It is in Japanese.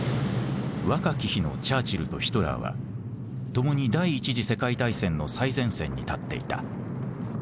若き日のチャーチルとヒトラーはともに第一次世界大戦の最前線に立っていた。